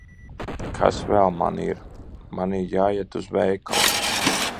Kas vēl man ir? Man ir jāiet uz veikalu.